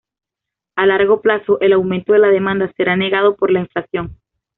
A largo plazo, el aumento de la demanda será negado por la inflación.